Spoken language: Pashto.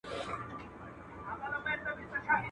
اسان ئې نالول، چنگښو هم پښې پورته کړې.